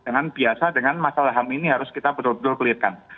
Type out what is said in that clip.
dengan biasa dengan masalah ham ini harus kita betul betul clearkan